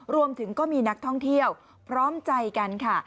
รวมถึงก็มีนักท่องเที่ยวพร้อมใจกันค่ะ